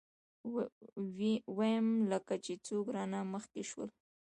ويم لکه چې څوک رانه مخکې شول.